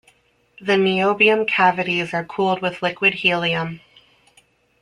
The niobium cavities are cooled with liquid helium.